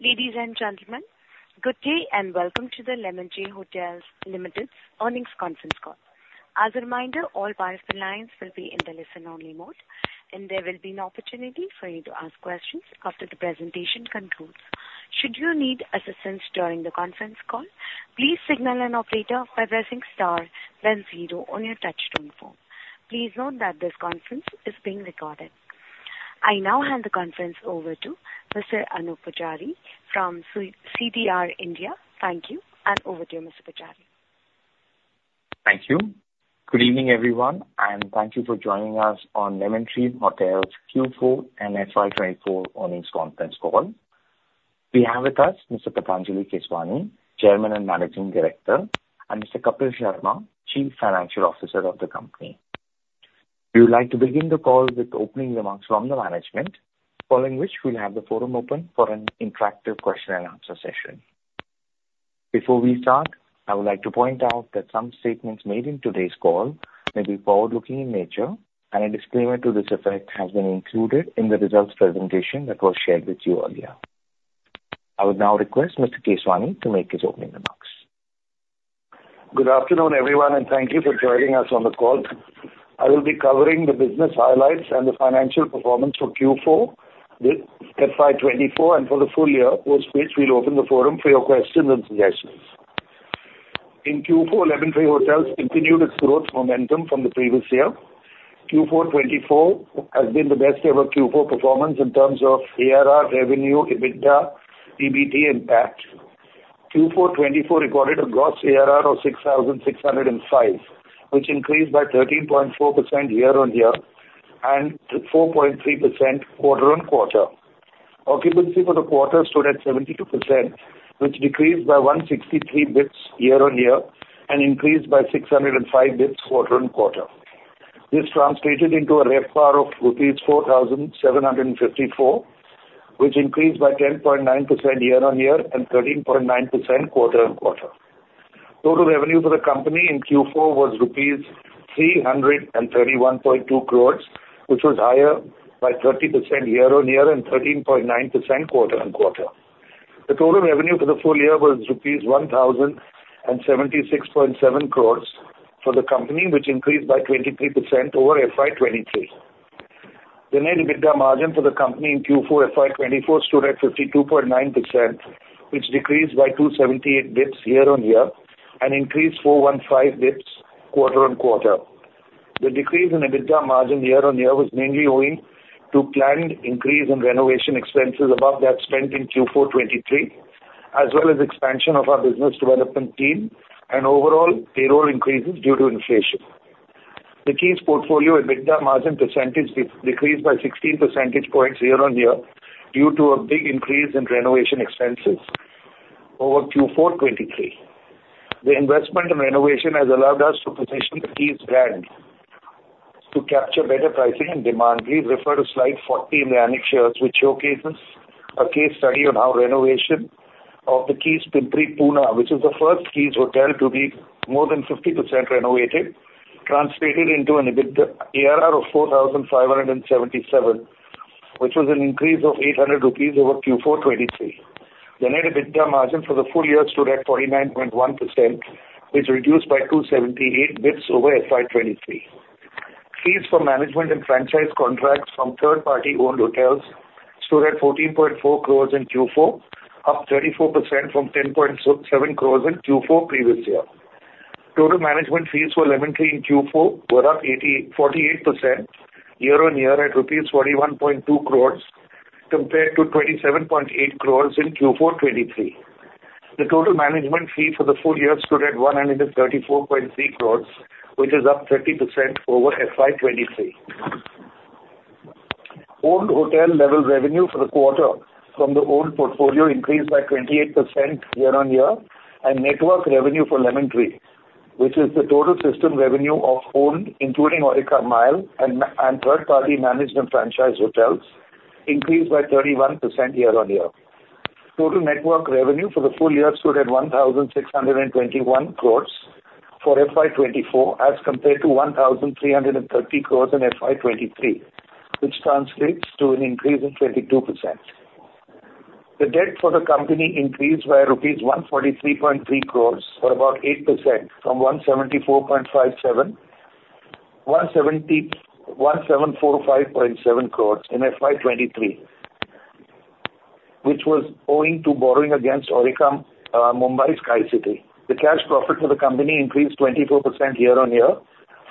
Ladies and gentlemen, good day, and welcome to the Lemon Tree Hotels Limited Earnings Conference Call. As a reminder, all participants will be in the listen-only mode, and there will be an opportunity for you to ask questions after the presentation concludes. Should you need assistance during the conference call, please signal an operator by pressing star then zero on your touch-tone phone. Please note that this conference is being recorded. I now hand the conference over to Mr. Anoop Poojari from CDR India. Thank you, and over to you, Mr. Poojari. Thank you. Good evening, everyone, and thank you for joining us on Lemon Tree Hotels Q4 and FY 2024 earnings conference call. We have with us Mr. Patanjali Keswani, Chairman and Managing Director, and Mr. Kapil Sharma, Chief Financial Officer of the company. We would like to begin the call with opening remarks from the management, following which we'll have the forum open for an interactive question and answer session. Before we start, I would like to point out that some statements made in today's call may be forward-looking in nature, and a disclaimer to this effect has been included in the results presentation that was shared with you earlier. I would now request Mr. Keswani to make his opening remarks. Good afternoon, everyone, and thank you for joining us on the call. I will be covering the business highlights and the financial performance for Q4 with FY 2024, and for the full year, after which we'll open the forum for your questions and suggestions. In Q4, Lemon Tree Hotels continued its growth momentum from the previous year. Q4 2024 has been the best ever Q4 performance in terms of ARR, revenue, EBITDA, EBT, and PAT. Q4 2024 recorded a gross ARR of 6,605, which increased by 13.4% year-on-year and 4.3% quarter-on-quarter. Occupancy for the quarter stood at 72%, which decreased by 163 basis points year-on-year and increased by 605 basis points quarter-on-quarter. This translated into a RevPAR of rupees 4,754, which increased by 10.9% year-on-year and 13.9% quarter-on-quarter. Total revenue for the company in Q4 was rupees 331.2 crore, which was higher by 30% year-on-year and 13.9% quarter-on-quarter. The total revenue for the full year was rupees 1,076.7 crore for the company, which increased by 23% over FY 2023. The net EBITDA margin for the company in Q4 FY 2024 stood at 52.9%, which decreased by 278 basis points year-on-year and increased 415 basis points quarter-on-quarter. The decrease in EBITDA margin year-on-year was mainly owing to planned increase in renovation expenses above that spent in Q4 2023, as well as expansion of our business development team and overall payroll increases due to inflation. The Keys portfolio EBITDA margin percentage decreased by 16 percentage points year-on-year due to a big increase in renovation expenses over Q4 2023. The investment in renovation has allowed us to position the Keys brand to capture better pricing and demand. Please refer to slide 40 in the annexures, which showcases a case study on how renovation of the Keys Pimpri, Pune, which is the first Keys hotel to be more than 50% renovated, translated into an EBITDA ARR of 4,577, which was an increase of 800 rupees over Q4 2023. The net EBITDA margin for the full year stood at 49.1%, which reduced by 278 basis points over FY 2023. Fees for management and franchise contracts from third-party owned hotels stood at 14.4 crores in Q4, up 34% from 10.7 crores in Q4 previous year. Total management fees for Lemon Tree in Q4 were up 84.8% year-on-year at rupees 41.2 crores compared to 27.8 crores in Q4 2023. The total management fee for the full year stood at 134.3 crores, which is up 30% over FY 2023. Owned hotel level revenue for the quarter from the owned portfolio increased by 28% year-on-year, and network revenue for Lemon Tree, which is the total system revenue of owned, including Aurika Mumbai and third-party management franchise hotels, increased by 31% year-on-year. Total network revenue for the full year stood at 1,621 crores for FY 2024, as compared to 1,330 crores in FY 2023, which translates to an increase of 32%. The debt for the company increased by rupees 143.3 crores, or about 8% from 174.57 crores in FY 2023, which was owing to borrowing against Aurika, Mumbai Sky City. The cash profit for the company increased 24% year-on-year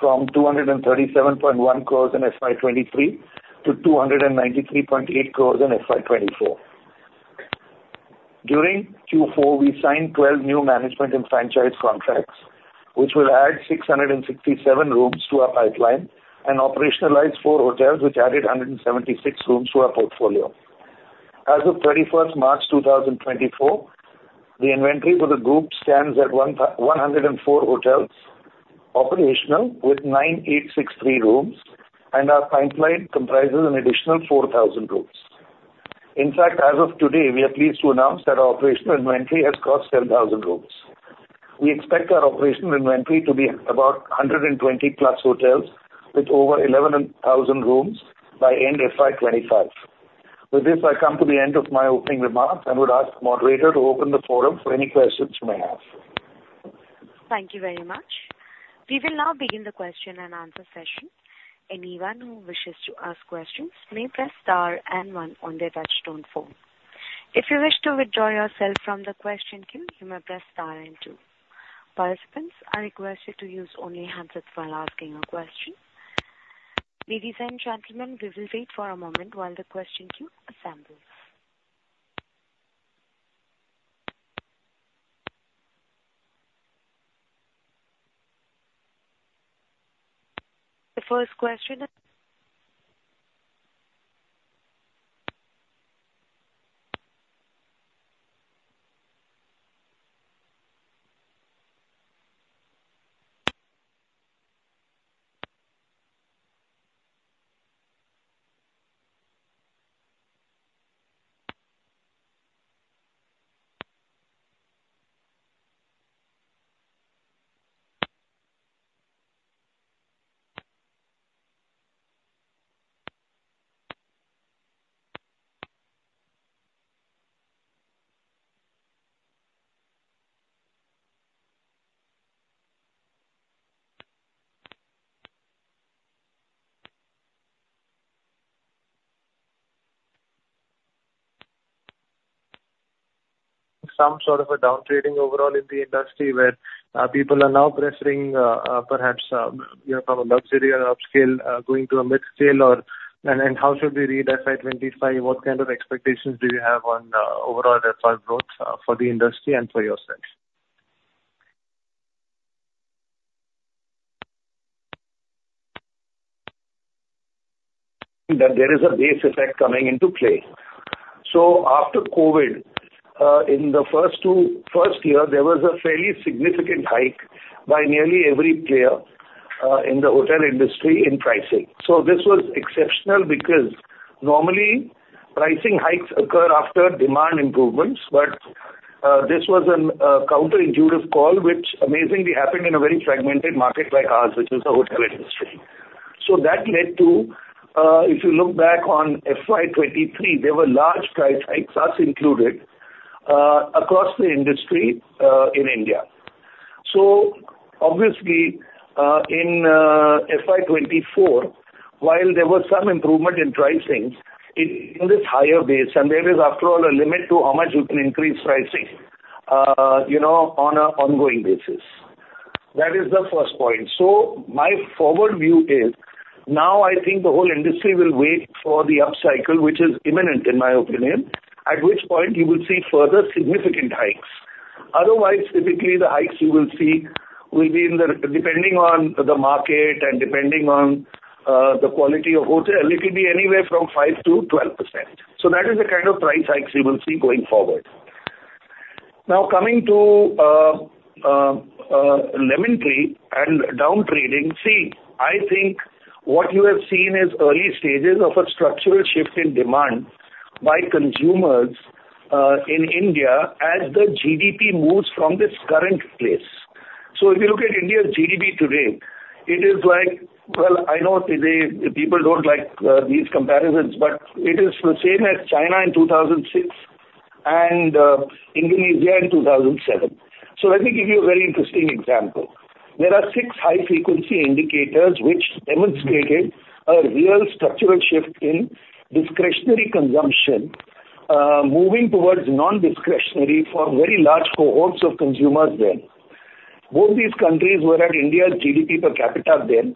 from 237.1 crore in FY 2023 to 293.8 crore in FY 2024. During Q4, we signed 12 new management and franchise contracts, which will add 667 rooms to our pipeline and operationalize 4 hotels, which added 176 rooms to our portfolio. As of March 31, 2024, the inventory for the group stands at 104 hotels, operational with 9,863 rooms, and our pipeline comprises an additional 4,000 rooms. In fact, as of today, we are pleased to announce that our operational inventory has crossed 10,000 rooms. We expect our operational inventory to be about 120+ hotels, with over 11,000 rooms by end FY 2025. With this, I come to the end of my opening remarks and would ask moderator to open the forum for any questions you may have. Thank you very much. We will now begin the question and answer session. Anyone who wishes to ask questions may press star and one on their touchtone phone. If you wish to withdraw yourself from the question queue, you may press star and two. Participants, I request you to use only handsets while asking a question. Ladies and gentlemen, we will wait for a moment while the question queue assembles. The first question is? Some sort of a downtrading overall in the industry, where people are now pressing, perhaps, you know, from a luxury or upscale, going to a mid-scale, or, and how should we read FY 2025? What kind of expectations do you have on overall FY growth for the industry and for yourselves? That there is a base effect coming into play. So after COVID, in the first year, there was a fairly significant hike by nearly every player in the hotel industry in pricing. So this was exceptional because normally pricing hikes occur after demand improvements, but this was a counterintuitive call, which amazingly happened in a very fragmented market like ours, which is the hotel industry. So that led to, if you look back on FY 2023, there were large price hikes, us included, across the industry in India. So obviously, in FY 2024, while there was some improvement in pricing, it is higher base, and there is after all a limit to how much you can increase pricing, you know, on an ongoing basis. That is the first point. So my forward view is, now I think the whole industry will wait for the upcycle, which is imminent in my opinion, at which point you will see further significant hikes. Otherwise, typically, the hikes you will see will be in the... Depending on the market and depending on the quality of hotel, it will be anywhere from 5%-12%. So that is the kind of price hikes you will see going forward. Now, coming to Lemon Tree and down trading. See, I think what you have seen is early stages of a structural shift in demand by consumers in India as the GDP moves from this current place. So if you look at India's GDP today, it is like, well, I know today people don't like these comparisons, but it is the same as China in 2006 and Indonesia in 2007. So let me give you a very interesting example. There are six high-frequency indicators which demonstrated a real structural shift in discretionary consumption moving towards non-discretionary for very large cohorts of consumers there. Both these countries were at India's GDP per capita then,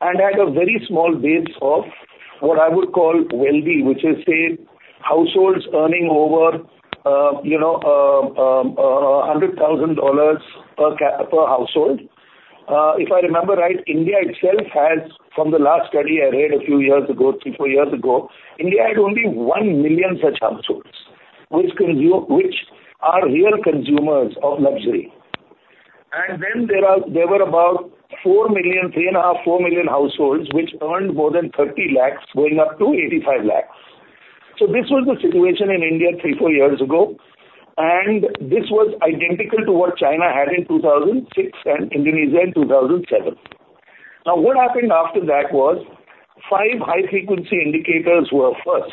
and had a very small base of what I would call wealthy, which is, say, households earning over, you know, $100,000 per household. If I remember right, India itself has, from the last study I read a few years ago, 3-4 years ago, India had only 1 million such households, which are real consumers of luxury. And then there were about 4 million, 3.5-4 million households, which earned more than 30 lakh, going up to 85 lakh. So this was the situation in India 3-4 years ago, and this was identical to what China had in 2006 and Indonesia in 2007. Now, what happened after that was 5 high-frequency indicators were first,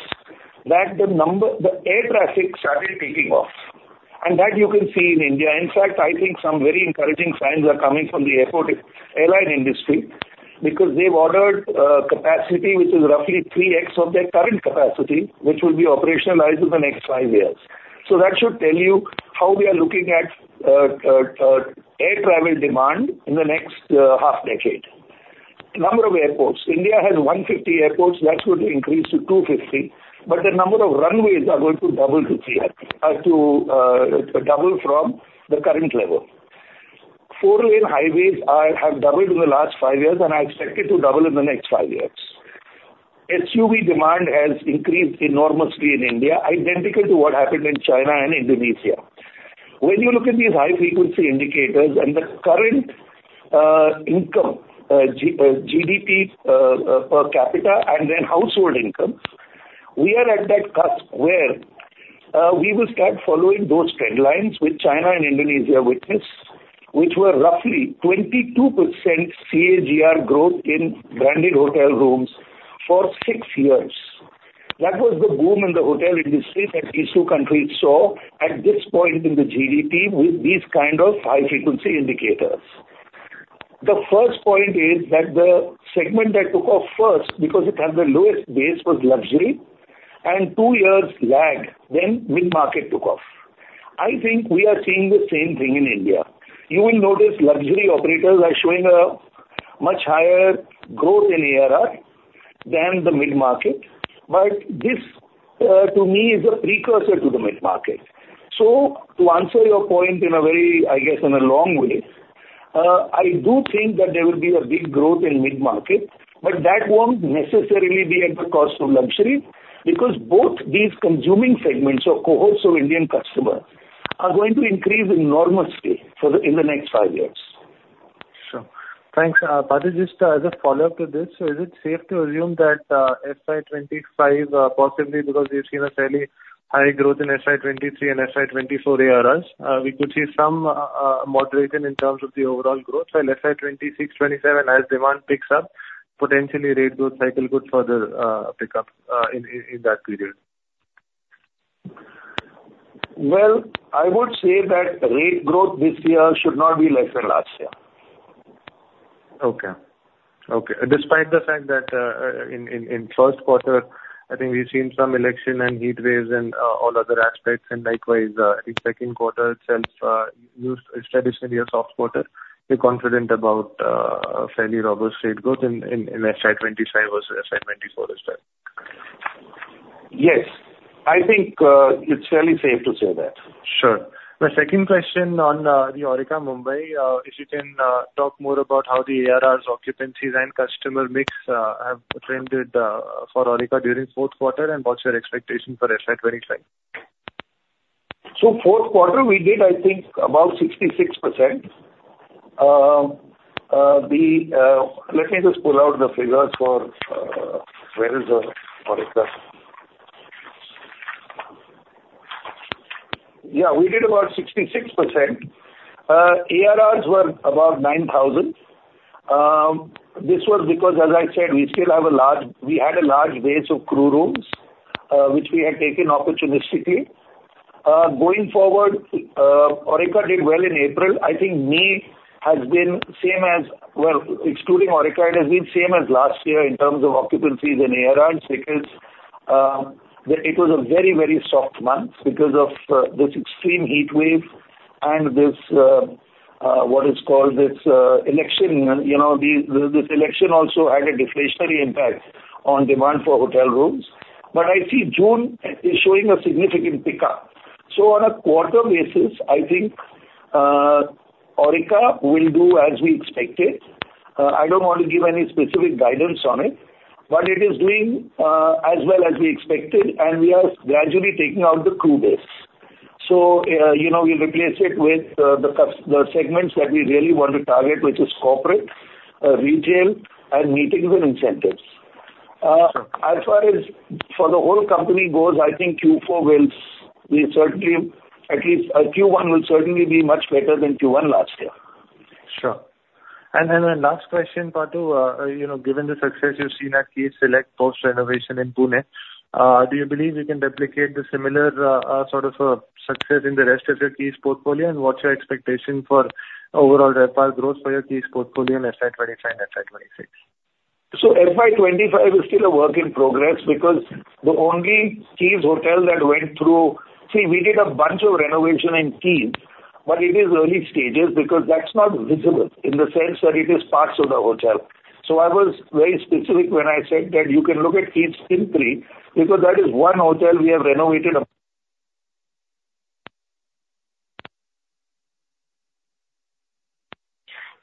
that the number, the air traffic started taking off, and that you can see in India. In fact, I think some very encouraging signs are coming from the airport, airline industry, because they've ordered capacity, which is roughly 3x of their current capacity, which will be operationalized in the next five years. So that should tell you how we are looking at air travel demand in the next half decade. Number of airports. India has 150 airports. That should increase to 250, but the number of runways are going to double to 3x, to double from the current level. Four-lane highways have doubled in the last five years, and I expect it to double in the next five years. SUV demand has increased enormously in India, identical to what happened in China and Indonesia. When you look at these high-frequency indicators and the current income, GDP per capita, and then household income... We are at that cusp where we will start following those trend lines with China and Indonesia, which were roughly 22% CAGR growth in branded hotel rooms for six years. That was the boom in the hotel industry that these two countries saw at this point in the GDP with these kind of high frequency indicators. The first point is that the segment that took off first, because it had the lowest base, was luxury, and two years lag, then mid-market took off. I think we are seeing the same thing in India. You will notice luxury operators are showing a much higher growth in ARR than the mid-market, but this, to me, is a precursor to the mid-market. So to answer your point in a very, I guess, in a long way, I do think that there will be a big growth in mid-market, but that won't necessarily be at the cost of luxury, because both these consuming segments or cohorts of Indian customer are going to increase enormously in the next five years. Sure. Thanks, Patanjali, just as a follow-up to this, so is it safe to assume that, FY 2025, possibly because we've seen a fairly high growth in FY 2023 and FY 2024 ARRs, we could see some moderation in terms of the overall growth till FY 2026, 2027, as demand picks up, potentially rate growth cycle good further pick up in that period? Well, I would say that rate growth this year should not be less than last year. Okay. Okay. Despite the fact that in first quarter, I think we've seen some election and heat waves and all other aspects, and likewise, the second quarter itself used traditionally a soft quarter. We're confident about fairly robust rate growth in FY 2025 versus FY 2024 as well. Yes. I think, it's fairly safe to say that. Sure. My second question on the Aurika Mumbai, if you can talk more about how the ARRs, occupancies, and customer mix have trended for Aurika during fourth quarter, and what's your expectation for FY 25? So fourth quarter, we did, I think, about 66%. Yeah, we did about 66%. ARRs were above 9,000. This was because, as I said, we still have a large-- We had a large base of crew rooms, which we had taken opportunistically. Going forward, Aurika did well in April. I think May has been same as... Well, excluding Aurika, it has been same as last year in terms of occupancies and ARRs, because, it was a very, very soft month because of this extreme heat wave and this, what is called this, election. You know, this election also had a deflationary impact on demand for hotel rooms. But I see June is showing a significant pickup. So on a quarter basis, I think, Aurika will do as we expected. I don't want to give any specific guidance on it, but it is doing as well as we expected, and we are gradually taking out the crew base. So, you know, we replace it with the segments that we really want to target, which is corporate, retail, and meetings and incentives. Sure. As far as for the whole company goes, I think Q4 will. We certainly, at least, Q1 will certainly be much better than Q1 last year. Sure. And then the last question, Parthu, you know, given the success you've seen at Keys Select post-renovation in Pune, do you believe you can replicate the similar, sort of a success in the rest of your Keys portfolio? And what's your expectation for overall RevPAR growth for your Keys portfolio in FY 2025 and FY 2026? So FY 25 is still a work in progress because the only Keys hotel that went through... See, we did a bunch of renovation in Keys, but it is early stages because that's not visible in the sense that it is parts of the hotel. So I was very specific when I said that you can look at Keys Pimpri, because that is one hotel we have renovated a-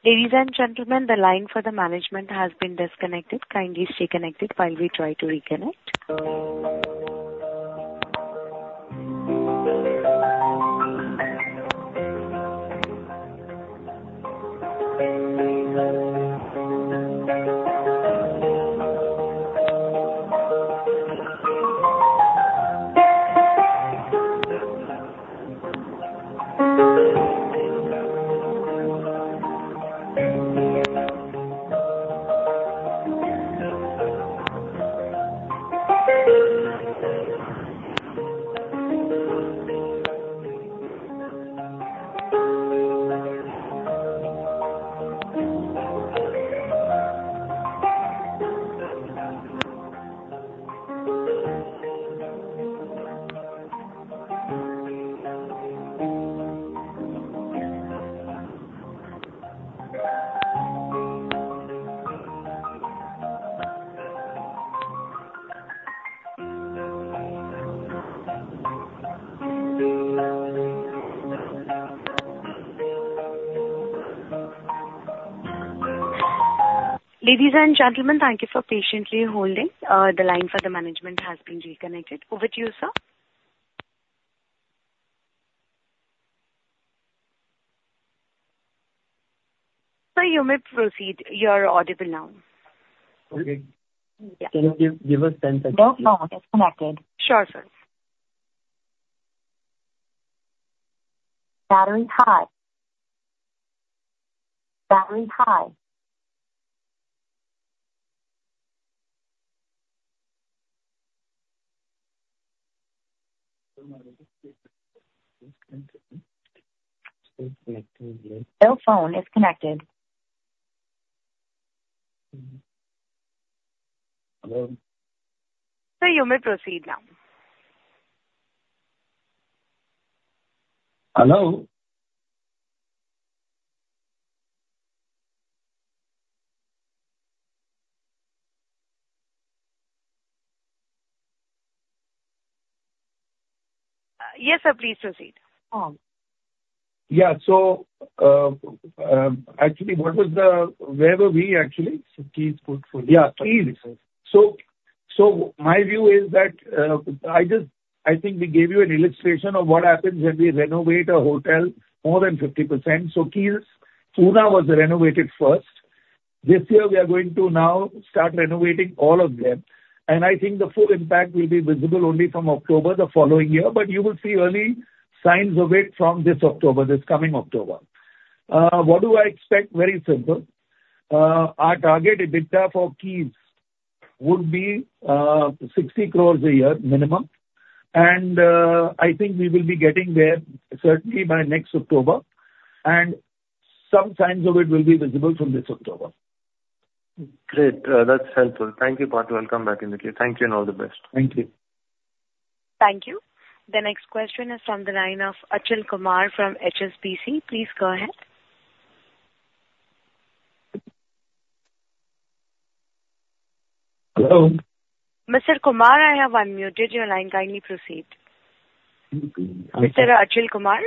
Ladies and gentlemen, the line for the management has been disconnected. Kindly stay connected while we try to reconnect. Ladies and gentlemen, thank you for patiently holding. The line for the management has been reconnected. Over to you, sir... Sir, you may proceed, you're audible now. Okay. Yeah. Can you give us 10 seconds? No, phone is connected. Sure, sir. Battery high. Battery high. No phone is connected. Hello? Sir, you may proceed now. Hello? Yes, sir, please proceed. Yeah, actually, where were we actually? Keys good for you. Yeah, Keys. So my view is that, I just, I think we gave you an illustration of what happens when we renovate a hotel more than 50%. So Keys, Pune was renovated first. This year we are going to now start renovating all of them, and I think the full impact will be visible only from October the following year, but you will see early signs of it from this October, this coming October. What do I expect? Very simple. Our target EBITDA for Keys would be 60 crore a year minimum, and I think we will be getting there certainly by next October, and some signs of it will be visible from this October. Great. That's helpful. Thank you, Partho. I'll come back in the queue. Thank you, and all the best. Thank you. Thank you. The next question is from the line of Achal Kumar from HSBC. Please go ahead. Hello? Mr. Kumar, I have unmuted your line. Kindly proceed. Mm-hmm. Mr. Achal Kumar?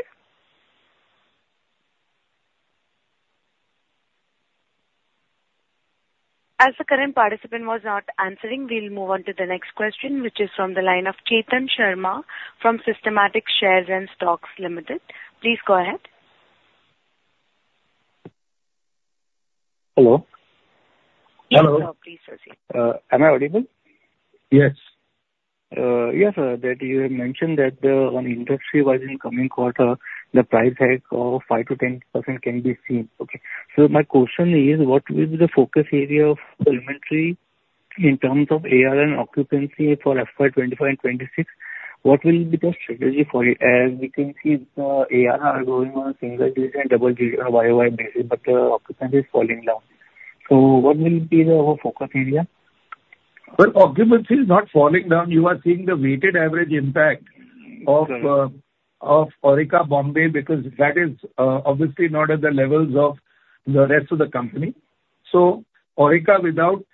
As the current participant was not answering, we'll move on to the next question, which is from the line of Chetan Sharma from Systematix Shares and Stocks Limited. Please go ahead. Hello? Hello. Please proceed. Am I audible? Yes. Yes, that you had mentioned that, on industry-wide in coming quarter, the price hike of 5%-10% can be seen. Okay. So my question is: What will be the focus area of Lemon Tree in terms of ARR and occupancy for FY 2025 and 2026? What will be the strategy for it? As we can see, ARR are growing on a single digit and double digit on YOY basis, but, occupancy is falling down. So what will be the, our focus area? Well, occupancy is not falling down. You are seeing the weighted average impact- Okay. -of Aurika, Mumbai, because that is obviously not at the levels of the rest of the company. So Aurika without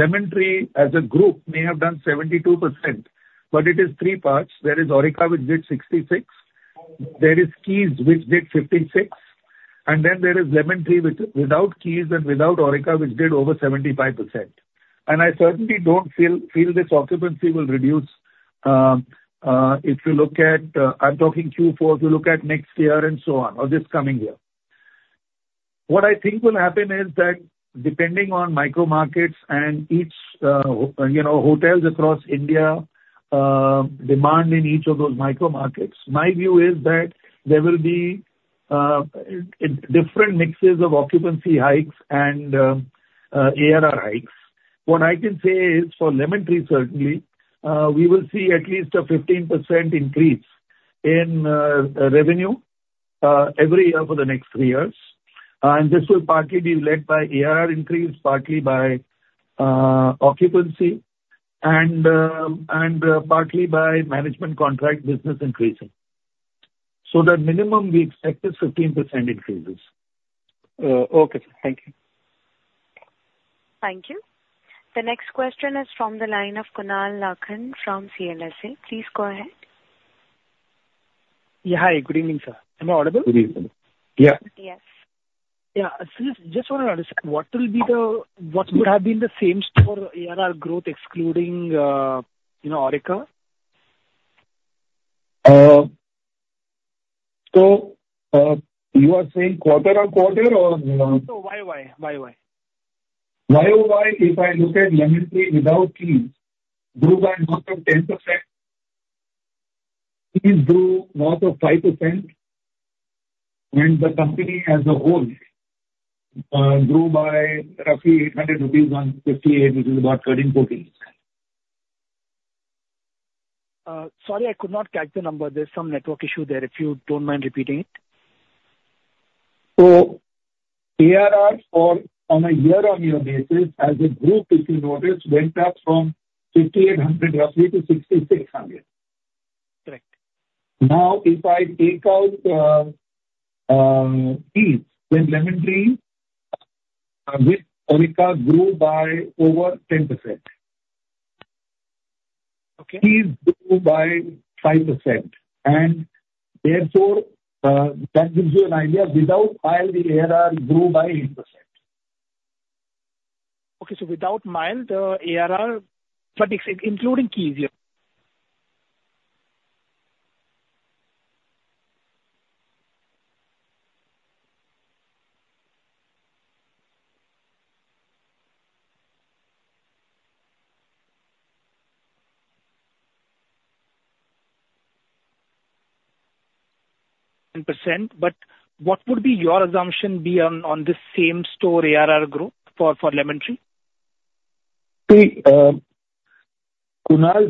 Lemon Tree as a group may have done 72%, but it is three parts. There is Aurika, which did 66%, there is Keys, which did 56%, and then there is Lemon Tree, which without Keys and without Aurika, which did over 75%. And I certainly don't feel this occupancy will reduce. If you look at, I'm talking Q4, if you look at next year and so on, or this coming year. What I think will happen is that depending on micromarkets and each, you know, hotels across India, demand in each of those micromarkets. My view is that there will be different mixes of occupancy hikes and ARR hikes. What I can say is, for Lemon Tree, certainly, we will see at least a 15% increase in revenue every year for the next three years. And this will partly be led by ARR increase, partly by occupancy, and partly by management contract business increasing. So the minimum we expect is 15% increases. Okay, sir. Thank you. Thank you. The next question is from the line of Kunal Lakhan from CLSA. Please go ahead. Yeah, hi, good evening, sir. Am I audible? Good evening. Yeah. Yes. Yeah. Just, just want to understand, what will be the... What would have been the same store ARR growth, excluding, you know, Aurika? So, you are saying quarter-on-quarter or? YOY, YOY. YOY, if I look at Lemon Tree, without Keys, grew by north of 10%. Keys grew north of 5%, and the company as a whole grew by roughly 800 rupees on 58, which is about 13, 14. Sorry, I could not catch the number. There's some network issue there, if you don't mind repeating it. ARR for, on a year-on-year basis, as a group, if you notice, went up from 5,800 roughly to 6,600. Correct. Now, if I take out Keys, then Lemon Tree with Aurika grew by over 10%. Okay. Keys grew by 5%, and therefore, that gives you an idea, without MIAL the ARR grew by 8%. Okay, so without meal, the ARR, but excluding Keys, yeah?...%. But what would be your assumption on this same store ARR growth for Lemon Tree? See, Kunal,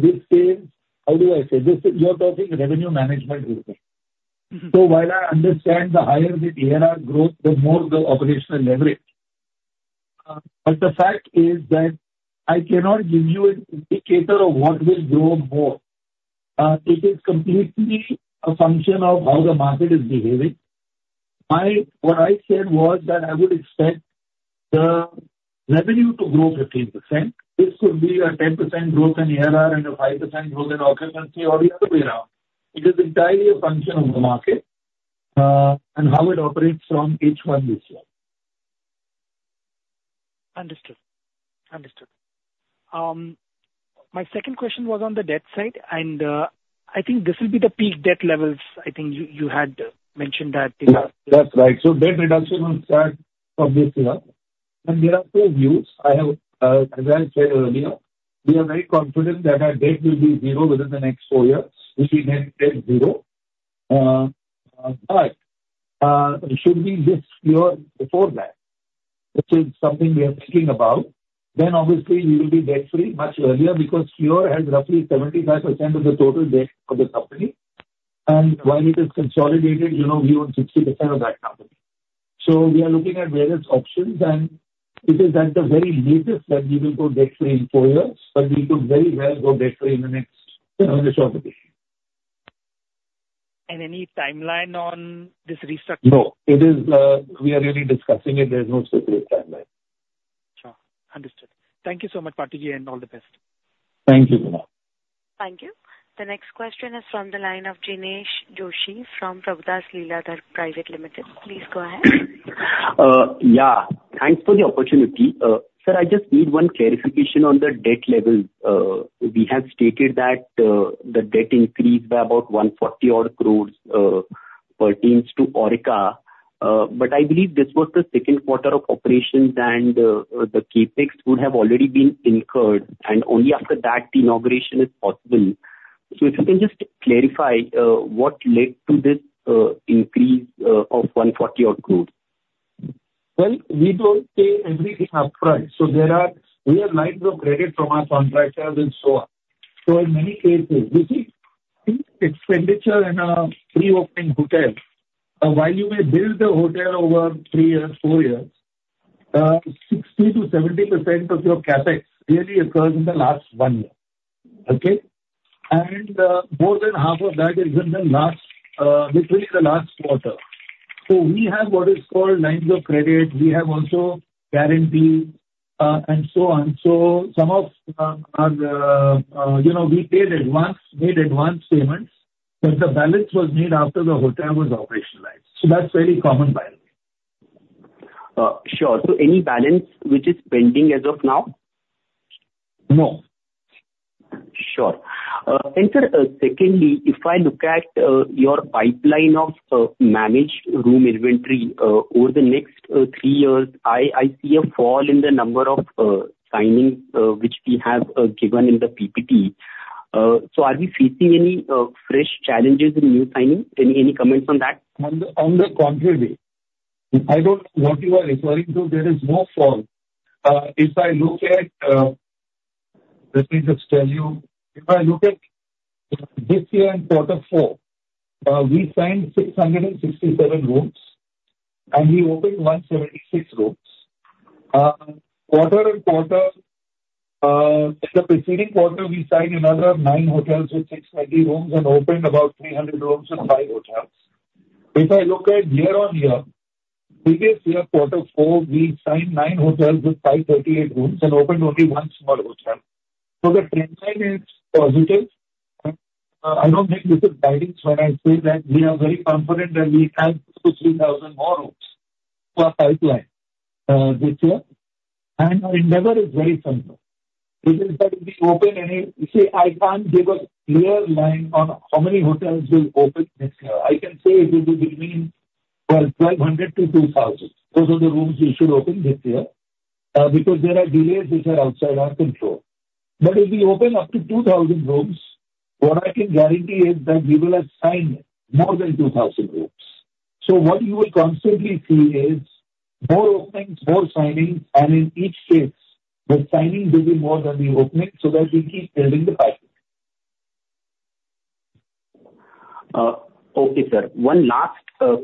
this is, how do I say this? You are talking revenue management. So while I understand the higher the ARR growth, the more the operational leverage. But the fact is that I cannot give you an indicator of what will grow more. It is completely a function of how the market is behaving. I, what I said was that I would expect the revenue to grow 15%. This could be a 10% growth in ARR and a 5% growth in occupancy or the other way around. It is entirely a function of the market, and how it operates from H1 this year. Understood. Understood. My second question was on the debt side, and, I think this will be the peak debt levels. I think you, you had mentioned that in the- That's right. So debt reduction will start from this year, and there are two views. I have, as I said earlier, we are very confident that our debt will be zero within the next four years, which we make debt zero. But, should we get Fleur before that? Which is something we are thinking about, then obviously we will be debt free much earlier because Fleur has roughly 75% of the total debt of the company. And while it is consolidated, you know, we own 60% of that company. So we are looking at various options, and it is at the very least that we will go debt free in four years, but we could very well go debt free in the next financial condition. Any timeline on this restructure? No, it is, we are really discussing it. There is no specific timeline. Sure. Understood. Thank you so much, Patanjali, and all the best. Thank you, Kunal. Thank you. The next question is from the line of Jinesh Joshi from Prabhudas Lilladher Private Limited. Please go ahead. Yeah, thanks for the opportunity. Sir, I just need one clarification on the debt level. We have stated that the debt increased by about 140 crore, pertains to Aurika. But I believe this was the second quarter of operations, and the Capex would have already been incurred, and only after that the inauguration is possible. So if you can just clarify what led to this increase of 140 crore? Well, we don't pay everything up front. So there are, we have lines of credit from our contractors and so on. So in many cases, you see, expenditure in a pre-opening hotel, and while you may build the hotel over three years, four years, 60%-70% of your Capex really occurs in the last one year. Okay? And, more than half of that is in the last, between the last quarter. So we have what is called lines of credit. We have also guarantees, and so on. So some of, you know, we paid advance, paid advance payments, but the balance was made after the hotel was operationalized. So that's very common practice. Sure. So any balance which is pending as of now? No. Sure. And sir, secondly, if I look at your pipeline of managed room inventory over the next three years, I see a fall in the number of signings which we have given in the PPT. So are we facing any fresh challenges in new signing? Any comments on that? On the contrary, I don't... What you are referring to, there is no fall. If I look at, let me just tell you. If I look at this year in quarter four, we signed 667 rooms, and we opened 176 rooms. Quarter and quarter, the preceding quarter, we signed another nine hotels with 690 rooms and opened about 300 rooms and five hotels. If I look at year-over-year, previous year, quarter four, we signed nine hotels with 538 rooms and opened only one small hotel. So the trend line is positive. I don't think this is guidance when I say that we are very confident that we add 3,000 more rooms to our pipeline, this year. And our endeavor is very simple, which is that we open any... See, I can't give a clear line on how many hotels will open this year. I can say it will be between 1,200-2,000. Those are the rooms we should open this year, because there are delays which are outside our control. But if we open up to 2,000 rooms, what I can guarantee is that we will have signed more than 2,000 rooms. So what you will constantly see is more openings, more signings, and in each case, the signings will be more than the openings, so that we keep building the pipeline. Okay, sir. One last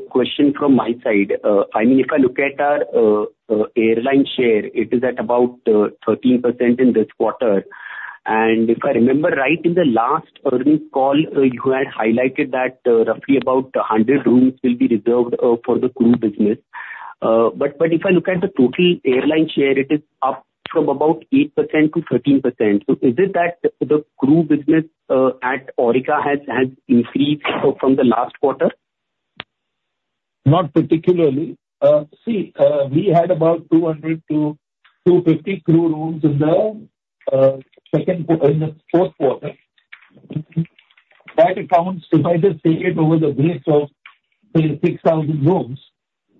question from my side. I mean, if I look at our airline share, it is at about 13% in this quarter. And if I remember right, in the last earnings call, you had highlighted that roughly about 100 rooms will be reserved for the crew business. But if I look at the total airline share, it is up from about 8% to 13%. So is it that the crew business at Aurika has increased from the last quarter?... Not particularly. See, we had about 200-250 crore rooms in the second quarter, in the fourth quarter. That accounts, if I just take it over the base of say 6,000 rooms,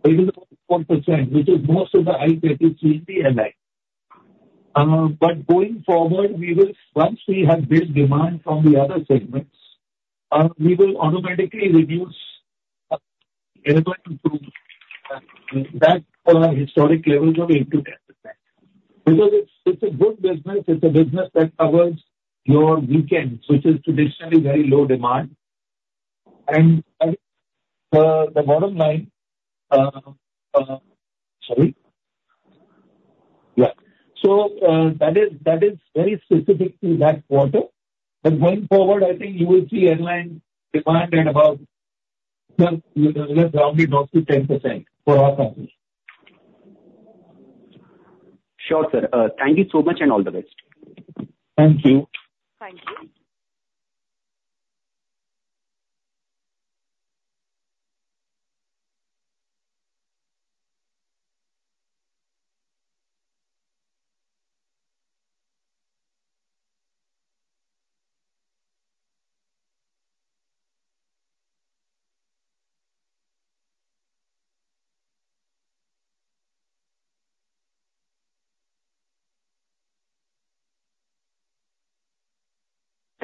it is about 4%, which is most of the high category in the airline. But going forward, we will, once we have built demand from the other segments, we will automatically reduce to that historic levels of 8%-10%. Because it's, it's a good business, it's a business that covers your weekends, which is traditionally very low demand. And, the bottom line, sorry? Yeah. So, that is, that is very specific to that quarter. But going forward, I think you will see airline demand at about, well, it will probably drop to 10% for all countries. Sure, sir. Thank you so much and all the best. Thank you. Thank you.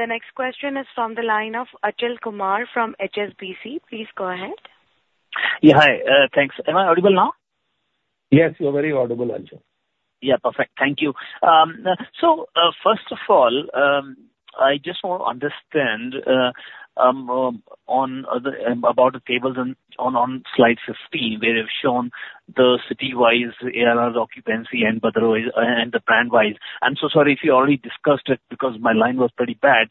The next question is from the line of Achal Kumar from HSBC. Please go ahead. Yeah, hi, thanks. Am I audible now? Yes, you are very audible, Achal. Yeah, perfect. Thank you. So, first of all, I just want to understand about the tables on slide 15, where you've shown the city-wise ARRs occupancy and by the way, and the brand-wise. I'm so sorry if you already discussed it, because my line was pretty bad.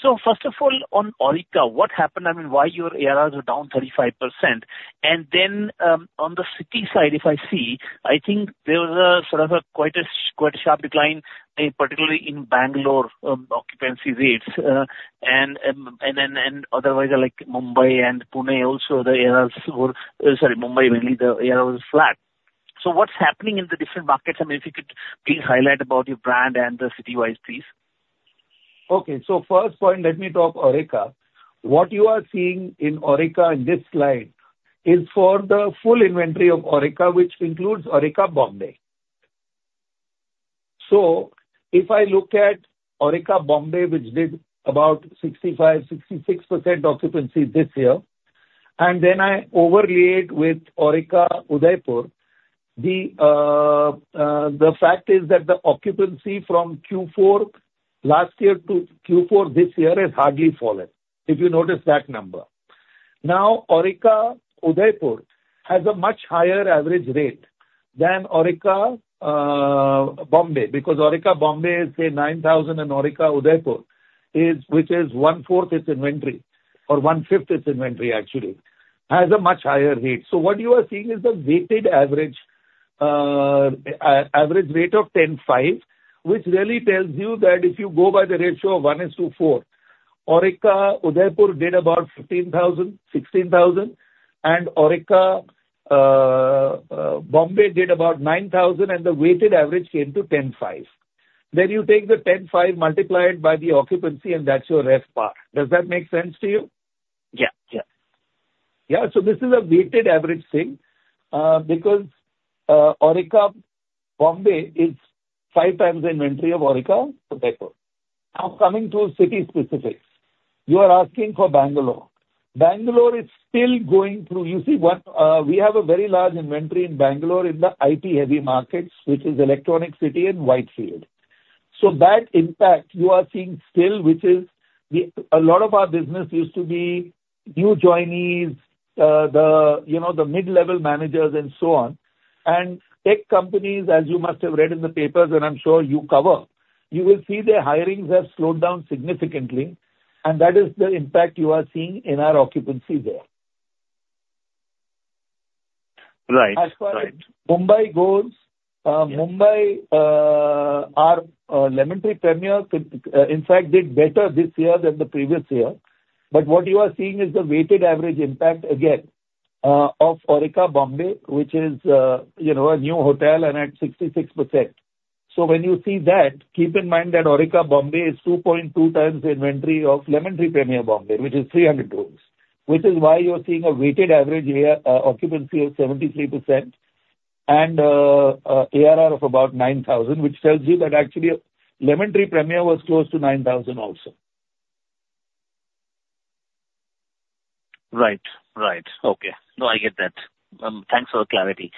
So first of all, on Aurika, what happened? I mean, why your ARRs are down 35%? And then, on the city side, if I see, I think there was sort of quite a sharp decline, particularly in Bangalore, occupancy rates. And otherwise, like Mumbai and Pune also, the ARRs were, sorry, Mumbai mainly, the ARR was flat. So what's happening in the different markets? I mean, if you could please highlight about your brand and the city-wise, please. Okay. First point, let me talk Aurika. What you are seeing in Aurika in this slide is for the full inventory of Aurika, which includes Aurika, Mumbai. So if I look at Aurika, Mumbai, which did about 65%-66% occupancy this year, and then I overlay it with Aurika Udaipur, the fact is that the occupancy from Q4 last year to Q4 this year has hardly fallen, if you notice that number. Now, Aurika Udaipur has a much higher average rate than Aurika, Mumbai, because Aurika, Mumbai is, say, 9,000, and Aurika Udaipur is, which is one-fourth its inventory or one-fifth its inventory, actually, has a much higher rate. So what you are seeing is a weighted average, average rate of 10,500, which really tells you that if you go by the ratio of one is to four, Aurika Udaipur did about 15,000-16,000, and Aurika, Mumbai did about 9,000, and the weighted average came to 10,500. Then you take the 10,500, multiply it by the occupancy, and that's your RevPAR. Does that make sense to you? Yeah. Yeah. Yeah, so this is a weighted average thing, because Aurika Mumbai is five times the inventory of Aurika Udaipur. Now, coming to city specifics. You are asking for Bangalore. Bangalore is still going through... You see, what we have a very large inventory in Bangalore in the IT-heavy markets, which is Electronic City and Whitefield. So that impact you are seeing still, which is a lot of our business used to be new joinees, you know, the mid-level managers and so on. And tech companies, as you must have read in the papers, and I'm sure you cover, you will see their hirings have slowed down significantly, and that is the impact you are seeing in our occupancy there. Right. As far as Mumbai goes, Yeah. Mumbai, our Lemon Tree Premier, in fact, did better this year than the previous year. But what you are seeing is the weighted average impact again, of Aurika Bombay, which is, you know, a new hotel and at 66%. So when you see that, keep in mind that Aurika Bombay is 2.2 times the inventory of Lemon Tree Premier Bombay, which is 300 rooms, which is why you're seeing a weighted average here, occupancy of 73% and ARR of about 9,000, which tells you that actually Lemon Tree Premier was close to 9,000 also. Right. Right. Okay. No, I get that. Thanks for the clarity.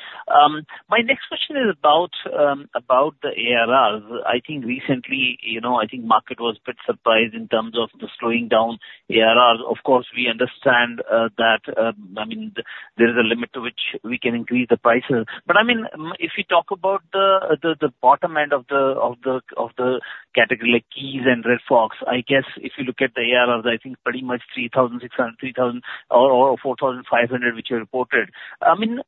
My next question is about the ARRs. I think recently, you know, I think market was a bit surprised in terms of the slowing down ARRs. Of course, we understand that I mean, there is a limit to which we can increase the prices. But I mean, if you talk about the bottom end of the category, like Keys and Red Fox, I guess if you look at the ARRs, I think pretty much 3,600, 3,000, or 4,500, which you reported. I mean...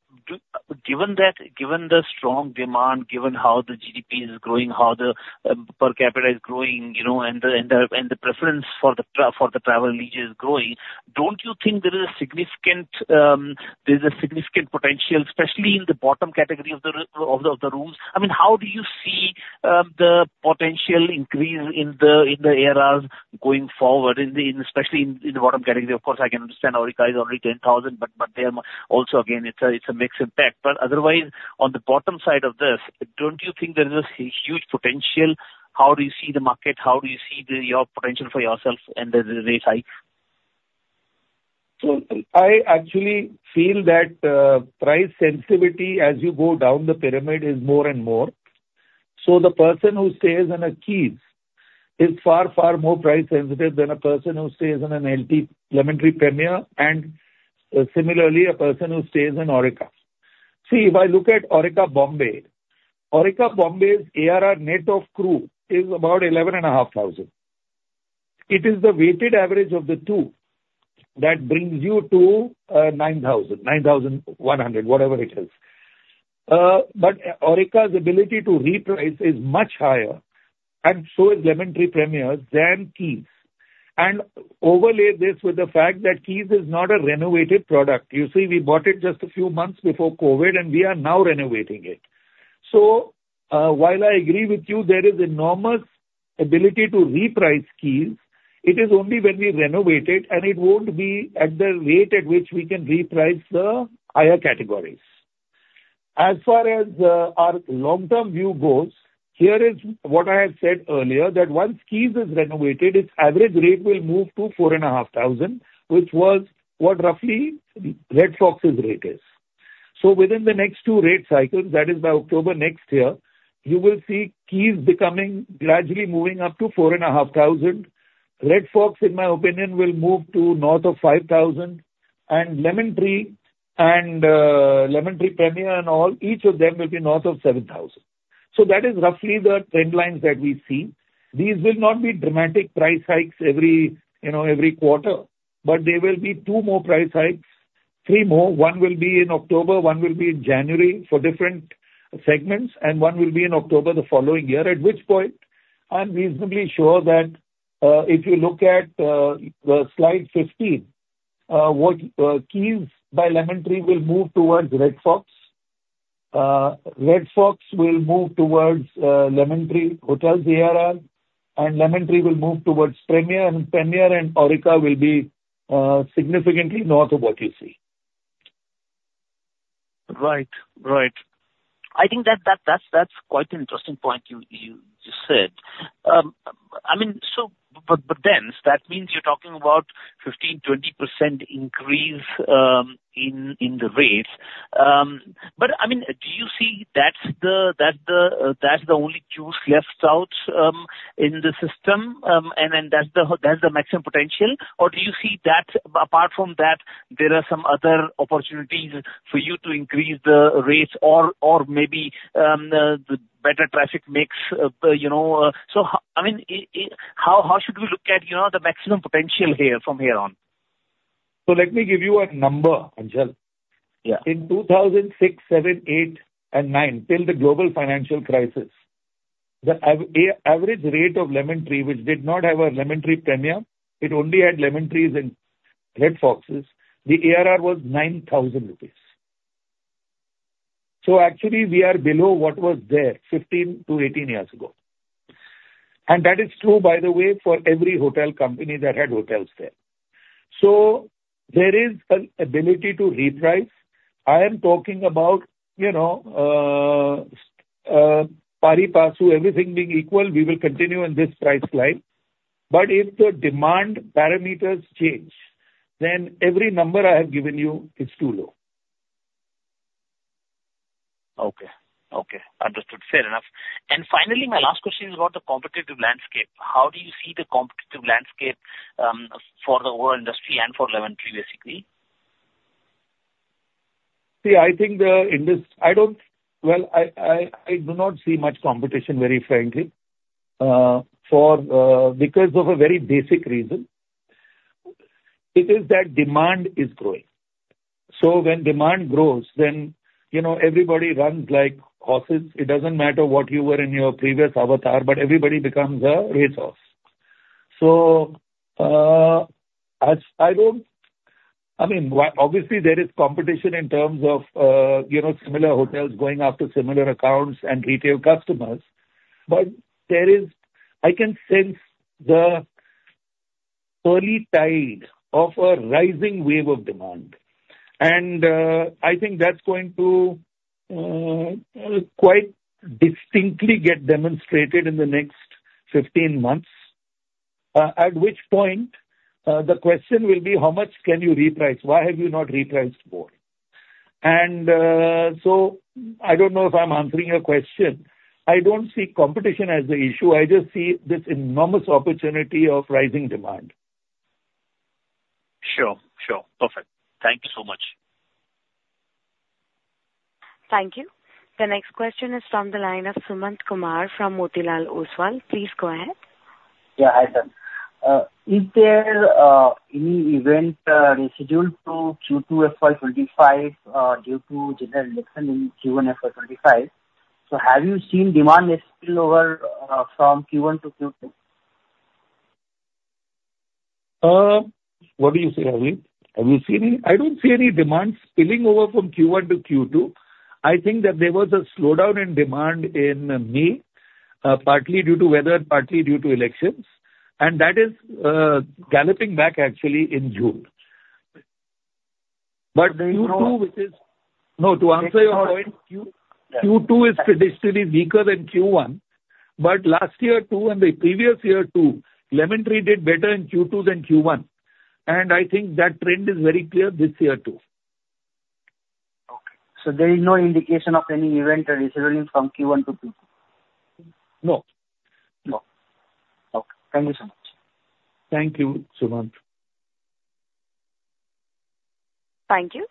Given that, given the strong demand, given how the GDP is growing, how the per capita is growing, you know, and the preference for the travel leisure is growing, don't you think there is a significant, there's a significant potential, especially in the bottom category of the rooms? I mean, how do you see the potential increase in the ARR going forward, especially in the bottom category? Of course, I can understand Aurika is already 10,000, but they are also, again, it's a mixed impact. But otherwise, on the bottom side of this, don't you think there is a huge potential? How do you see the market? How do you see your potential for yourselves and the rate hike? So I actually feel that price sensitivity as you go down the pyramid is more and more. So the person who stays in a Keys is far, far more price sensitive than a person who stays in an LT, Lemon Tree Premier, and similarly, a person who stays in Aurika. See, if I look at Aurika Bombay, Aurika Bombay's ARR net of crew is about 11,500. It is the weighted average of the two that brings you to nine thousand, 9,100, whatever it is. But Aurika's ability to reprice is much higher, and so is Lemon Tree Premier than Keys. And overlay this with the fact that Keys is not a renovated product. You see, we bought it just a few months before COVID, and we are now renovating it. So, while I agree with you, there is enormous ability to reprice Keys, it is only when we renovate it, and it won't be at the rate at which we can reprice the higher categories. As far as our long-term view goes, here is what I have said earlier, that once Keys is renovated, its average rate will move to 4,500, which was what roughly Red Fox's rate is. So within the next two rate cycles, that is by October next year, you will see Keys becoming gradually moving up to 4,500. Red Fox, in my opinion, will move to north of 5,000, and Lemon Tree and Lemon Tree Premier and all, each of them will be north of 7,000. So that is roughly the trend lines that we see. These will not be dramatic price hikes every, you know, every quarter, but there will be two more price hikes, three more. One will be in October, one will be in January for different segments, and one will be in October the following year, at which point I'm reasonably sure that, if you look at, the slide 15, what, Keys by Lemon Tree will move towards Red Fox. Red Fox will move towards, Lemon Tree Hotels ARR, and Lemon Tree will move towards Premier, and Premier and Aurika will be, significantly north of what you see. Right. Right. I think that's quite an interesting point you just said. I mean, so but, but then that means you're talking about 15%-20% increase in the rates. But I mean, do you see that's the only juice left out in the system, and then that's the maximum potential? Or do you see that apart from that, there are some other opportunities for you to increase the rates or maybe the better traffic mix, you know. So I mean, how should we look at, you know, the maximum potential here from here on? Let me give you a number, Achal. Yeah. In 2006, 2007, 2008, and 2009, till the global financial crisis, the average rate of Lemon Tree, which did not have a Lemon Tree Premier, it only had Lemon Trees and Red Foxes, the ARR was 9,000 rupees. So actually, we are below what was there 15-18 years ago. And that is true, by the way, for every hotel company that had hotels there. So there is an ability to reprice. I am talking about, you know, pari passu, everything being equal, we will continue on this price line. But if the demand parameters change, then every number I have given you is too low. Okay. Okay, understood. Fair enough. Finally, my last question is about the competitive landscape. How do you see the competitive landscape for the whole industry and for Lemon Tree, basically? See, I think. Well, I do not see much competition, very frankly, because of a very basic reason, it is that demand is growing. So when demand grows, then, you know, everybody runs like horses. It doesn't matter what you were in your previous avatar, but everybody becomes a racehorse. So, I mean, obviously, there is competition in terms of, you know, similar hotels going after similar accounts and retail customers, but there is. I can sense the early tide of a rising wave of demand, and I think that's going to quite distinctly get demonstrated in the next 15 months, at which point, the question will be: How much can you reprice? Why have you not repriced more? And, so I don't know if I'm answering your question. I don't see competition as the issue. I just see this enormous opportunity of rising demand. Sure, sure. Perfect. Thank you so much. Thank you. The next question is from the line of Sumant Kumar from Motilal Oswal. Please go ahead.... Yeah, I done. Is there any event scheduled to Q2 FY 25 due to general election in Q1 FY 25? So have you seen demand spill over from Q1 to Q2? What do you say, Avi? Have you seen any? I don't see any demand spilling over from Q1 to Q2. I think that there was a slowdown in demand in May, partly due to weather, partly due to elections, and that is galloping back actually in June. But Q2, which is—no, to answer your point, Q2 is traditionally weaker than Q1, but last year, too, and the previous year, too, Lemon Tree did better in Q2 than Q1, and I think that trend is very clear this year, too. Okay. So there is no indication of any event resulting from Q1 to Q2? No. No. Okay. Thank you so much. Thank you, Sumant. Thank you.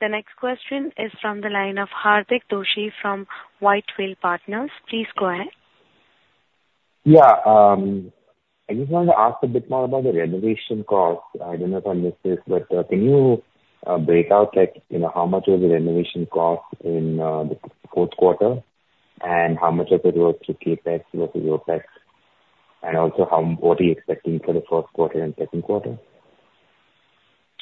The next question is from the line of Hardik Doshi from White Whale Partners. Please go ahead. Yeah, I just wanted to ask a bit more about the renovation cost. I don't know if I missed this, but can you break out, like, you know, how much was the renovation cost in the fourth quarter? And how much of it was to CapEx versus OpEx, and also what are you expecting for the first quarter and second quarter?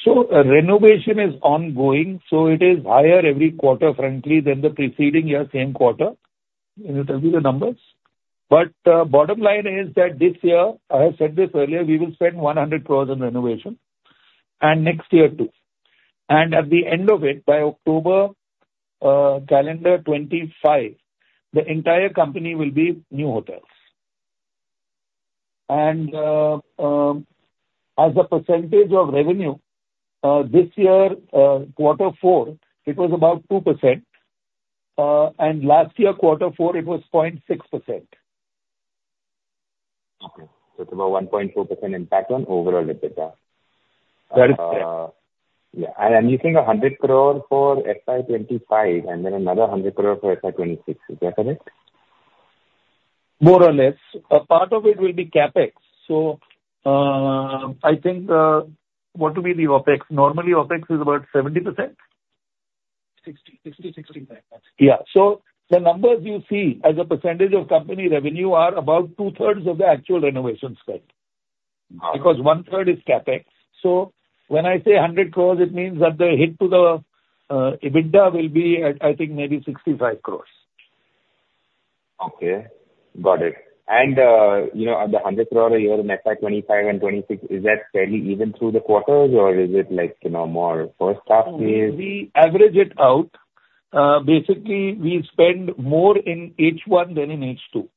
So renovation is ongoing, so it is higher every quarter, frankly, than the preceding year same quarter. And it will be the numbers. But, bottom line is that this year, I have said this earlier, we will spend 100 crore on renovation, and next year, too. And at the end of it, by October 2025, the entire company will be new hotels. And, as a percentage of revenue, this year, quarter four, it was about 2%. And last year, quarter four, it was 0.6%. Okay. So it's about 1.4% impact on overall EBITDA. That is correct. Yeah, I'm using 100 crore for FY 2025 and then another 100 crore for FY 2026. Is that correct? More or less. A part of it will be CapEx. So, I think, what will be the OpEx? Normally, OpEx is about 70%. 60. 60, 65, that's it. Yeah. So the numbers you see as a percentage of company revenue are about 2/3 of the actual renovation spend. Wow. Because one-third is CapEx. So when I say 100 crore, it means that the hit to the EBITDA will be at, I think, maybe 65 crore. Okay, got it. And, you know, at 100 crore a year in FY 2025 and 2026, is that fairly even through the quarters, or is it like, you know, more first half phase? We average it out. Basically, we spend more in H1 than in H2.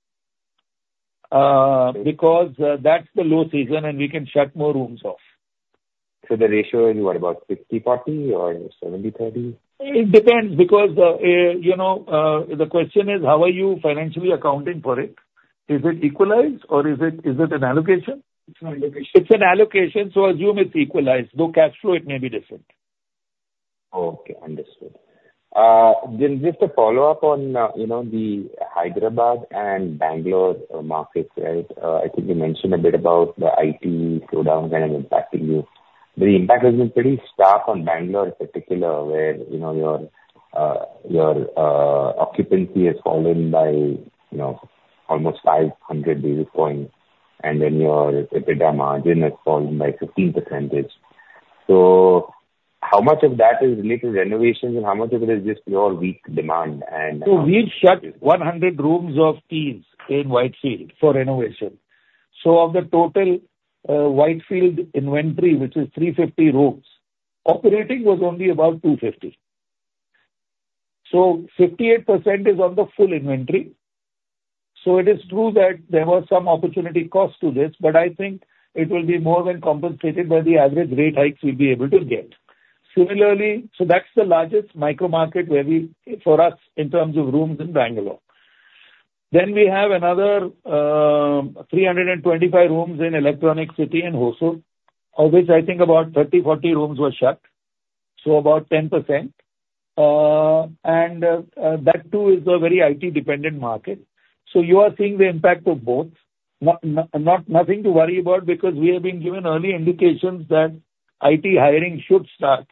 Okay. because, that's the low season, and we can shut more rooms off. The ratio is what, about 50/40 or 70/30? It depends, because, you know, the question is, how are you financially accounting for it? Is it equalized or is it an allocation? It's an allocation. It's an allocation, so assume it's equalized, though cash flow, it may be different. Okay, understood. Then just a follow-up on, you know, the Hyderabad and Bangalore markets. I think you mentioned a bit about the IT slowdown kind of impacting you. The impact has been pretty stark on Bangalore in particular, where, you know, your occupancy has fallen by, you know, almost 500 basis points, and then your EBITDA margin has fallen by 15%. So how much of that is related to renovations, and how much of it is just pure weak demand and- So we've shut 100 rooms of Keys in Whitefield for renovation. So of the total, Whitefield inventory, which is 350 rooms, operating was only about 250. So 58% is on the full inventory. So it is true that there was some opportunity cost to this, but I think it will be more than compensated by the average rate hikes we'll be able to get. Similarly, so that's the largest micro market where we, for us, in terms of rooms in Bangalore. Then we have another 325 rooms in Electronic City and Hosur, of which I think about 30, 40 rooms were shut, so about 10%. And that too is a very IT-dependent market. So you are seeing the impact of both. Not nothing to worry about because we have been given early indications that IT hiring should start